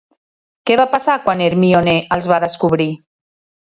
Què va passar quan Hermíone els va descobrir?